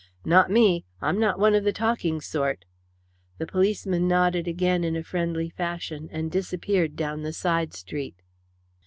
"Not me. I'm not one of the talking sort." The policeman nodded again in a friendly fashion, and disappeared down the side street.